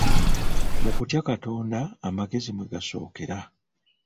Mu kutya Katonda amagezi mwe gasookera.